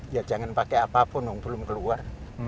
ya jangan pakai apapun belum keluar